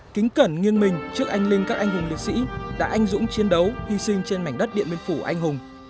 kính cẩn nghiêng mình trước anh linh các anh hùng liệt sĩ đã anh dũng chiến đấu hy sinh trên mảnh đất điện biên phủ anh hùng